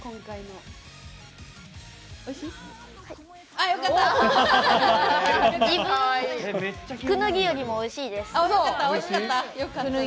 はいくぬぎよりも、おいしいです。